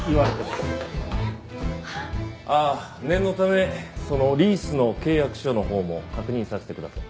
ああ念のためそのリースの契約書のほうも確認させてください。